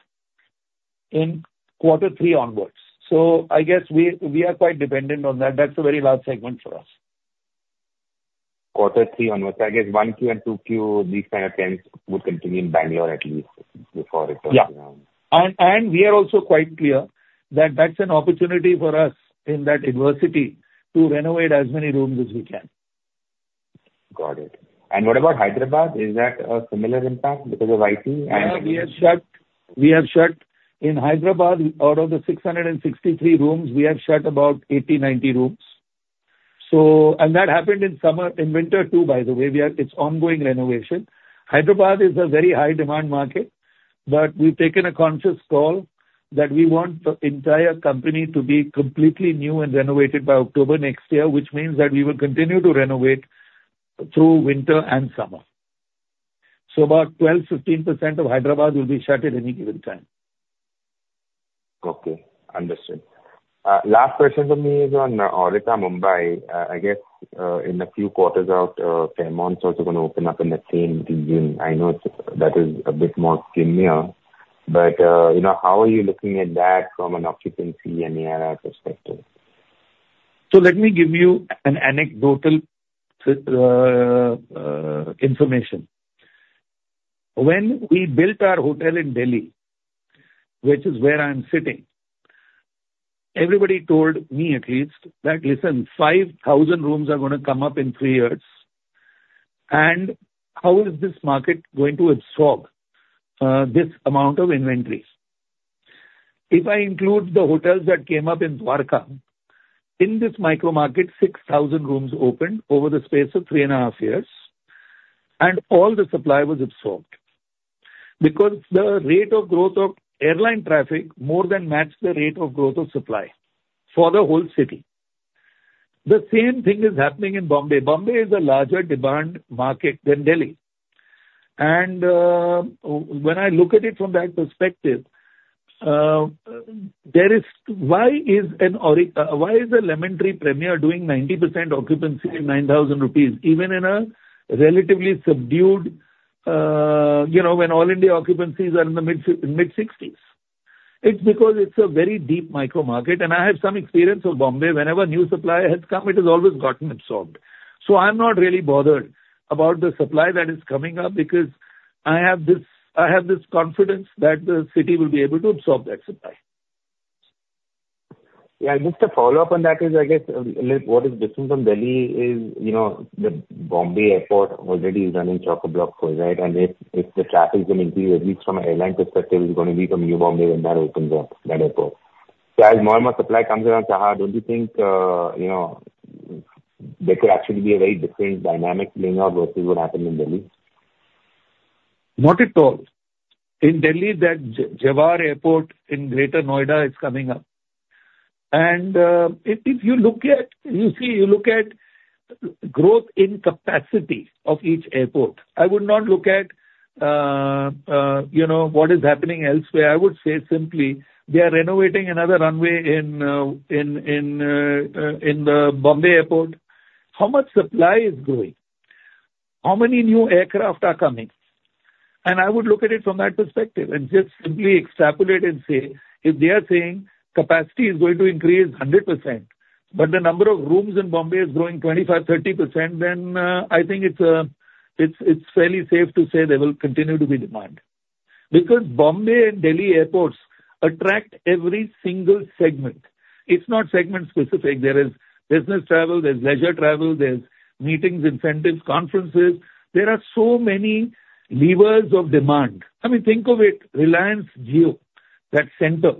in quarter three onwards. So I guess we are quite dependent on that. That's a very large segment for us. Quarter three onwards. I guess 1 quarter and 2 quarter, these kind of trends would continue in Bangalore at least before it, Yeah. And we are also quite clear that that's an opportunity for us in that adversity to renovate as many rooms as we can. Got it. What about Hyderabad? Is that a similar impact because of IT and- Yeah, we have shut, we have shut in Hyderabad, out of the 663 rooms, we have shut about 80-90 rooms. So, and that happened in summer, in winter, too, by the way. We are. It's ongoing renovation. Hyderabad is a very high-demand market, but we've taken a conscious call that we want the entire company to be completely new and renovated by October next year, which means that we will continue to renovate through winter and summer. So about 12%-15% of Hyderabad will be shut at any given time. ... Okay, understood. Last question from me is on Aurika Mumbai. I guess in a few quarters out, Fairmont's also gonna open up in the same region. I know it's, that is a bit more premium, but you know, how are you looking at that from an occupancy and ARR perspective? So let me give you an anecdotal information. When we built our hotel in Delhi, which is where I'm sitting, everybody told me at least, that, "Listen, 5,000 rooms are gonna come up in 3 years, and how is this market going to absorb this amount of inventory?" If I include the hotels that came up in Dwarka, in this micro market, 6,000 rooms opened over the space of 3.5 years, and all the supply was absorbed. Because the rate of growth of airline traffic more than matched the rate of growth of supply for the whole city. The same thing is happening in Bombay. Bombay is a larger demand market than Delhi. When I look at it from that perspective, why is an Aurika, why is the Lemon Tree Premier doing 90% occupancy in 9,000 rupees, even in a relatively subdued, you know, when all India occupancies are in the mid-sixties? It's because it's a very deep micro market, and I have some experience of Bombay. Whenever new supply has come, it has always gotten absorbed. So I'm not really bothered about the supply that is coming up, because I have this, I have this confidence that the city will be able to absorb that supply. Yeah, just a follow-up on that is, I guess, like, what is different from Delhi is, you know, the Bombay Airport already is running chock-a-block full, right? And if the traffic is going to be, at least from an airline perspective, is going to be from New Bombay when that opens up, that airport. So as more and more supply comes around, don't you think, you know, there could actually be a very different dynamic playing out versus what happened in Delhi? Not at all. In Delhi, that Jewar Airport in Greater Noida is coming up. And, if you look at, you see, you look at growth in capacity of each airport, I would not look at you know what is happening elsewhere. I would say simply, they are renovating another runway in the Bombay Airport. How much supply is growing? How many new aircraft are coming? And I would look at it from that perspective and just simply extrapolate and say, if they are saying capacity is going to increase 100%, but the number of rooms in Bombay is growing 25%-30%, then I think it's fairly safe to say there will continue to be demand. Because Bombay and Delhi airports attract every single segment. It's not segment specific. There is business travel, there's leisure travel, there's meetings, incentives, conferences. There are so many levers of demand. I mean, think of it, Reliance Jio, that center,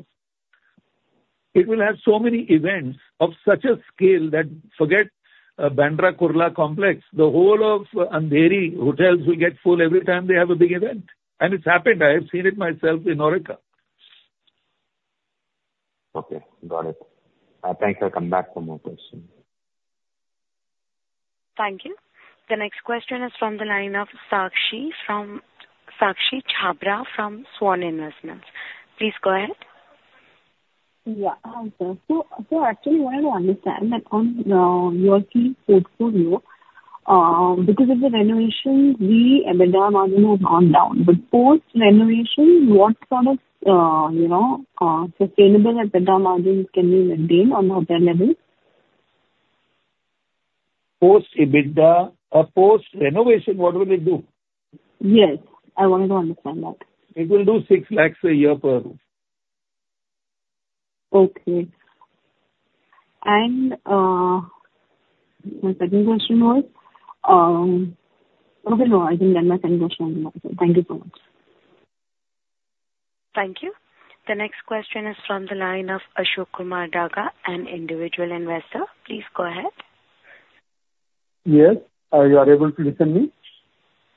it will have so many events of such a scale that forget, Bandra Kurla Complex, the whole of Andheri hotels will get full every time they have a big event. It's happened, I have seen it myself in Aerocity. Okay, got it. Thanks. I'll come back for more questions. Thank you. The next question is from the line of Sakshi from Sakshi Chhabra from Swan Investments. Please go ahead. Yeah. Hi, sir. So actually wanted to understand that on your key portfolio, because of the renovations, the EBITDA margin has gone down. But post-renovation, what sort of, you know, sustainable EBITDA margin can be maintained on a hotel level? Post-EBITDA or post-renovation, what will it do? Yes, I wanted to understand that. It will do 6 lakh a year per room. Okay. And, my second question was... Okay, no, I didn't have my second question. Thank you so much. Thank you. The next question is from the line of Ashok Kumar Daga, an individual investor. Please go ahead. Yes. You are able to listen me?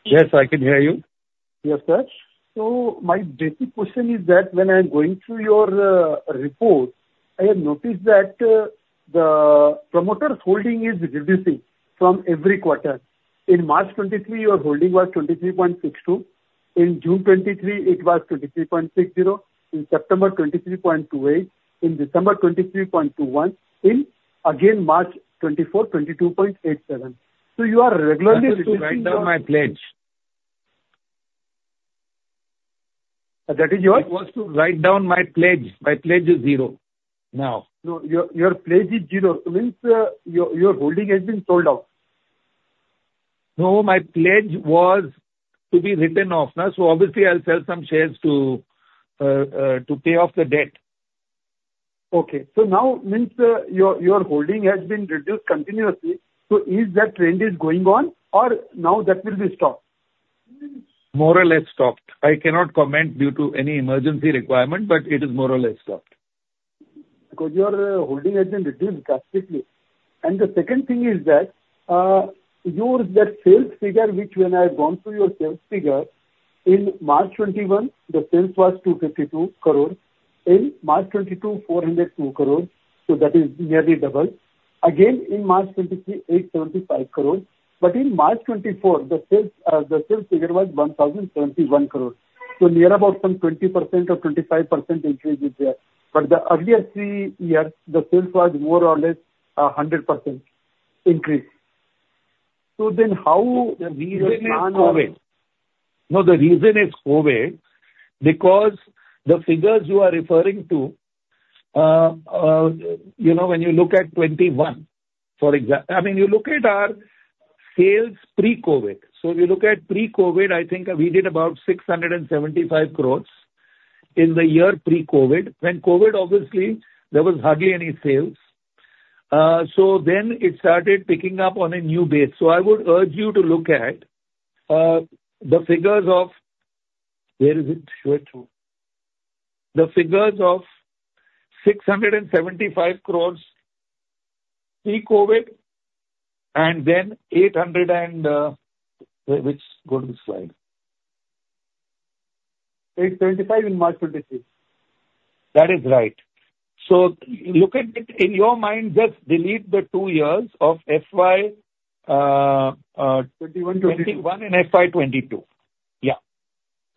Yes, I can hear you. Yes, sir. So my basic question is that when I'm going through your report, I have noticed that the promoter's holding is reducing from every quarter. In March 2023, your holding was 23.62. In June 2023, it was 23.60. In September, 23.28. In December, 23.21. In, again, March 2024, 22.87. So you are regularly- Write down my pledge. That is your? I want to write down my pledge. My pledge is zero now. So your pledge is zero, means your holding has been sold out? No, my pledge was to be written off, now, so obviously I'll sell some shares to, to pay off the debt. Okay. So now means, your holding has been reduced continuously. So is that trend going on, or now that will be stopped? More or less stopped. I cannot comment due to any emergency requirement, but it is more or less stopped. Because your holding has been reduced drastically. And the second thing is that, your, that sales figure, which when I have gone through your sales figure, in March 2021, the sales was 252 crore. In March 2022, 402 crore, so that is nearly double.... Again, in March 2023, 875 crore, but in March 2024, the sales, the sales figure was 1,071 crore. So near about some 20% or 25% increase is there. But the earlier three years, the sales was more or less, 100% increase. So then how we have- The reason is COVID. No, the reason is COVID, because the figures you are referring to, you know, when you look at 2021, I mean, you look at our sales pre-COVID. So if you look at pre-COVID, I think we did about 675 crores in the year pre-COVID. When COVID, obviously, there was hardly any sales. So then it started picking up on a new base. So I would urge you to look at, the figures of 675 crores pre-COVID and then 800 and, which, go to the slide. 8:25 in March 2023. That is right. So look at it, in your mind, just delete the two years of FY. Twenty-one, twenty-two. 21 and FY 2022. Yeah.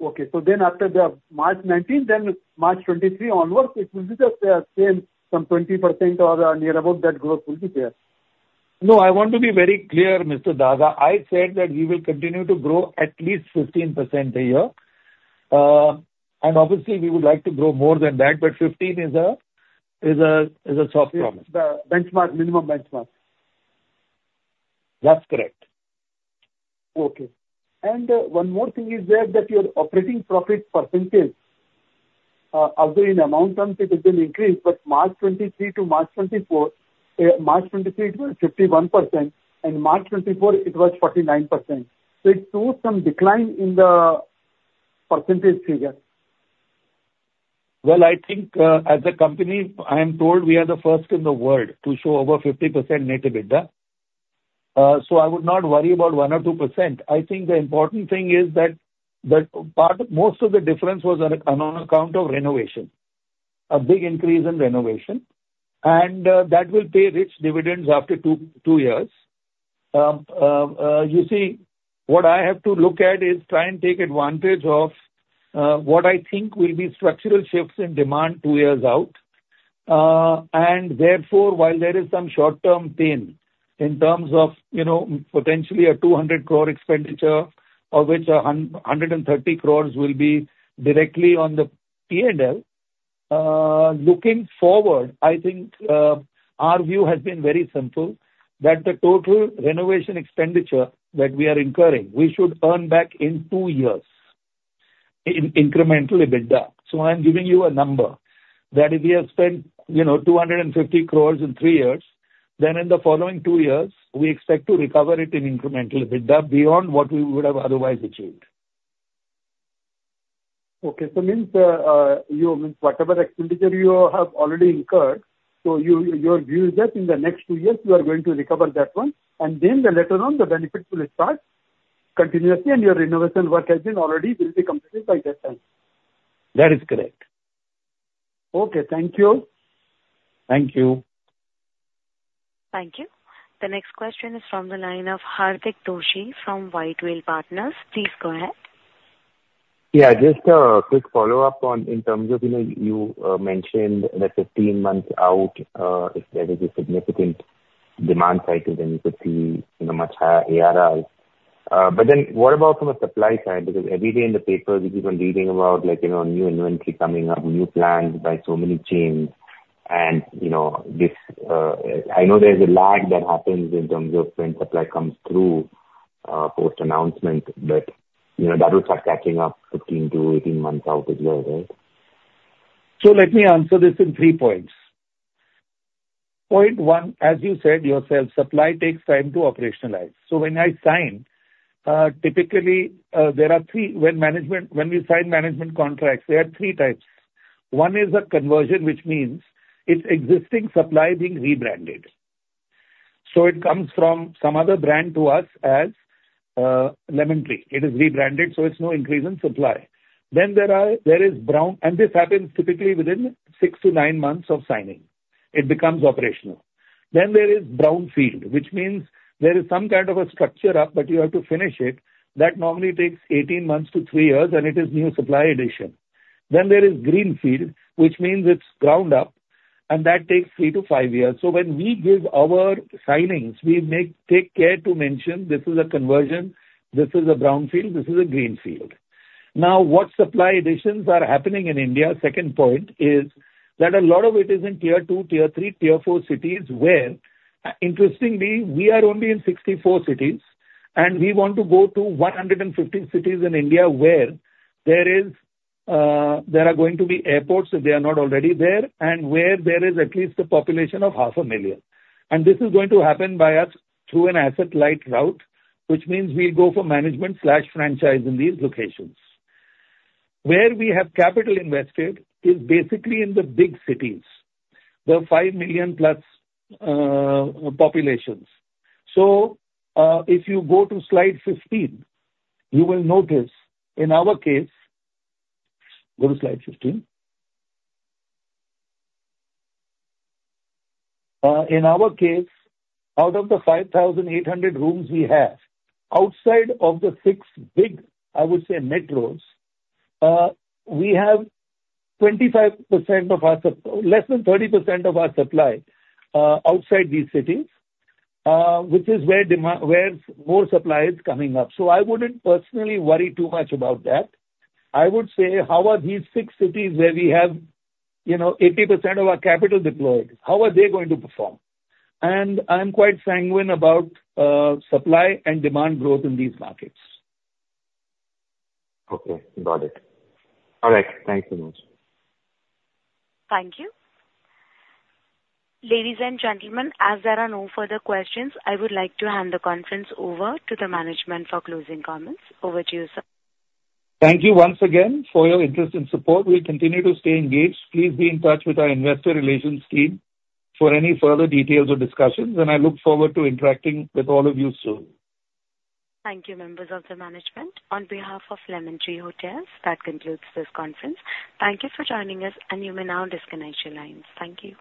Okay. So then after the March 2019, then March 2023 onwards, it will be just, sales some 20% or near about that growth will be there? No, I want to be very clear, Mr. Daga. I said that we will continue to grow at least 15% a year. And obviously, we would like to grow more than that, but 15 is a soft promise. The benchmark, minimum benchmark. That's correct. Okay. One more thing is there, that your operating profit percentage, although in amount terms it has been increased, but March 2023 to March 2024, March 2023 it was 51%, and March 2024 it was 49%, so it shows some decline in the percentage figure. Well, I think, as a company, I am told we are the first in the world to show over 50% net EBITDA, so I would not worry about 1% or 2%. I think the important thing is that, that part, most of the difference was on account of renovation, a big increase in renovation, and, that will pay rich dividends after two years. You see, what I have to look at is try and take advantage of, what I think will be structural shifts in demand two years out. And therefore, while there is some short-term pain in terms of, you know, potentially an 200 crore expenditure, of which 130 crore will be directly on the P&L. Looking forward, I think, our view has been very simple, that the total renovation expenditure that we are incurring, we should earn back in two years in incremental EBITDA. So I'm giving you a number, that if we have spent, you know, 250 crore in three years, then in the following two years, we expect to recover it in incremental EBITDA beyond what we would have otherwise achieved. Okay. So means whatever expenditure you have already incurred, so your view is that in the next two years you are going to recover that one, and then later on, the benefits will start continuously and your renovation work has been already, will be completed by that time? That is correct. Okay. Thank you. Thank you. Thank you. The next question is from the line of Hardik Doshi from White Whale Partners. Please go ahead. Yeah, just a quick follow-up on, in terms of, you know, you mentioned that 15 months out, if there is a significant demand cycle, then you could see, you know, much higher ARRs. But then what about from a supply side? Because every day in the paper we've been reading about like, you know, new inventory coming up, new plans by so many chains, and, you know, this... I know there's a lag that happens in terms of when supply comes through, post-announcement, but, you know, that will start catching up 15-18 months out as well, right? So let me answer this in three points. Point one, as you said yourself, supply takes time to operationalize. So when I sign, typically, there are three. When we sign management contracts, there are three types. One is a conversion, which means it's existing supply being rebranded. So it comes from some other brand to us as Lemon Tree. It is rebranded, so it's no increase in supply. And this happens typically within 6-9 months of signing. It becomes operational. Then there is brownfield, which means there is some kind of a structure up, but you have to finish it. That normally takes 18 months to 3 years, and it is new supply addition. Then there is greenfield, which means it's ground up, and that takes 3-5 years. So when we give our signings, we make take care to mention: this is a conversion, this is a brownfield, this is a greenfield. Now, what supply additions are happening in India, second point, is that a lot of it is in tier two, tier three, tier four cities, where, interestingly, we are only in 64 cities, and we want to go to 150 cities in India, where there is, there are going to be airports, if they are not already there, and where there is at least a population of half a million. And this is going to happen by us through an asset-light route, which means we'll go for management/franchise in these locations. Where we have capital invested is basically in the big cities, the five million-plus populations. So, if you go to slide 15, you will notice in our case... Go to slide 15. In our case, out of the 5,800 rooms we have, outside of the six big, I would say, metros, we have 25% of our supply, less than 30% of our supply, outside these cities, which is where more supply is coming up. So I wouldn't personally worry too much about that. I would say, how are these six cities where we have, you know, 80% of our capital deployed, how are they going to perform? And I'm quite sanguine about supply and demand growth in these markets. Okay, got it. All right, thanks so much. Thank you. Ladies and gentlemen, as there are no further questions, I would like to hand the conference over to the management for closing comments. Over to you, sir. Thank you once again for your interest and support. We'll continue to stay engaged. Please be in touch with our investor relations team for any further details or discussions, and I look forward to interacting with all of you soon. Thank you, members of the management. On behalf of Lemon Tree Hotels, that concludes this conference. Thank you for joining us, and you may now disconnect your lines. Thank you.